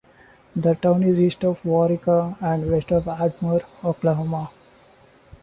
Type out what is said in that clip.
The town is east of Waurika and west of Ardmore, Oklahoma.